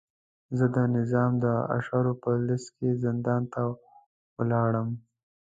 زه د نظام د اشرارو په لست کې زندان ته ولاړم.